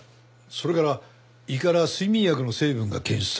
それから胃から睡眠薬の成分が検出された。